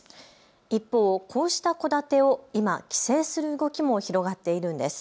一方、こうした戸建てを今、規制する動きも広がっているんです。